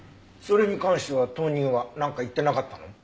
それに関しては当人はなんか言ってなかったの？